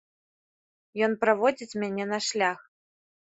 Ён праводзіць мяне на шлях.